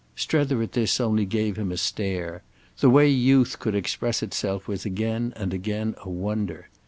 Strether at this only gave him a stare: the way youth could express itself was again and again a wonder.